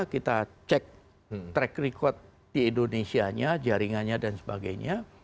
kita cek track record di indonesia nya jaringannya dan sebagainya